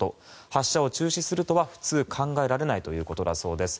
発射を中止するとは普通考えられないということだそうです。